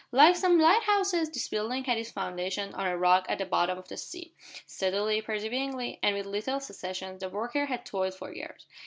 Like some lighthouses this building had its foundations on a rock at the bottom of the sea. Steadily, perseveringly, and with little cessation, the workers had toiled for years.